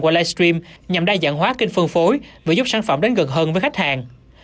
qua livestream nhằm đa dạng hóa kênh phân phối và giúp sản phẩm đến gần hơn với khách hàng